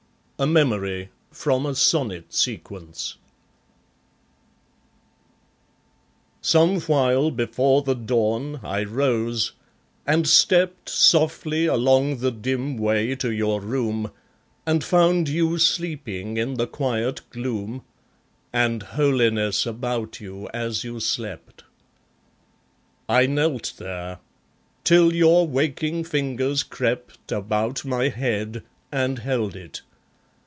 A Memory (From a sonnet sequence) Somewhile before the dawn I rose, and stept Softly along the dim way to your room, And found you sleeping in the quiet gloom, And holiness about you as you slept. I knelt there; till your waking fingers crept About my head, and held it.